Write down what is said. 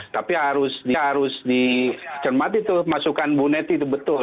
tapi harus dicermati tuh masukan bu neti itu betul